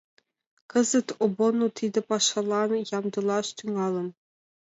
Кызыт обоно тиде пашалан ямдылаш тӱҥалын.